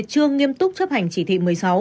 chưa nghiêm túc chấp hành chỉ thị một mươi sáu